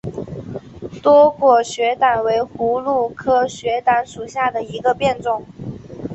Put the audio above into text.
多果雪胆为葫芦科雪胆属下的一个变种。